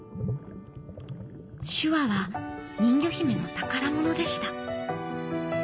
手話は人魚姫の宝物でした。